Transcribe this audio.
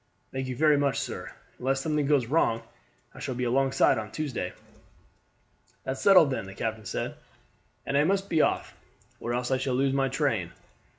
"Thank you very much, sir. Unless something goes wrong I shall be alongside on Tuesday." "That's settled, then," the captain said, "and I must be off, or else I shall lose my train.